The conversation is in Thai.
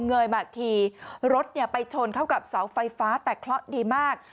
เยยมาอีกทีรถไปชนเข้ากับเสาไฟฟ้าแต่เคราะห์ดีมาก